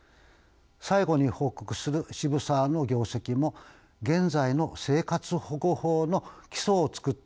最後に報告する渋沢の業績も現在の生活保護法の基礎を作った活動でした。